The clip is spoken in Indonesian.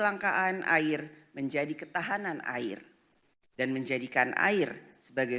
yang sama untuk mengubah kondisi kelangkaan air menjadi ketahanan air dan menjadikan air sebagai